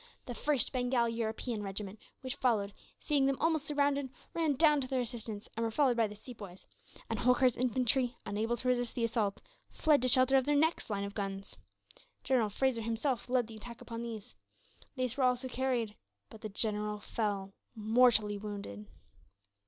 The 1st Bengal European regiment, which followed, seeing them almost surrounded, ran down to their assistance; and were followed by the Sepoys; and Holkar's infantry, unable to resist the assault, fled to shelter of their next line of guns. General Fraser himself led the attack upon these. They were also carried; but the general fell, mortally wounded.